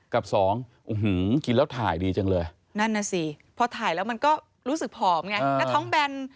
กับสองกินแล้วถ่ายดีจังเลยนั่นน่ะสิพอถ่ายแล้วมันก็รู้สึกผอมไงแล้วท้องแบน